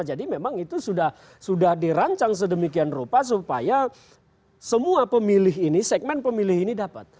jadi memang itu sudah dirancang sedemikian rupa supaya semua pemilih ini segmen pemilih ini dapat